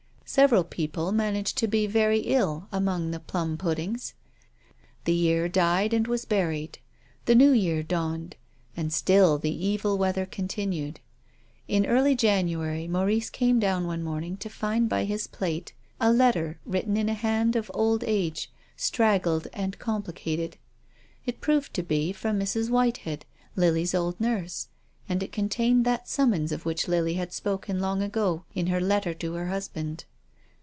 Several people managed to be very ill among the plum puddings. The year died and was buried. The New Year dawned, and still the evil weather continued. In early January Mau rice came down one morning to find by his plate a letter written in a hand of old age, straggling and complicated. It proved to be from Mrs. Whitehead, Lily's old nurse ; and it contained that summons of which Lily had spoken long ago in her letter to her husband.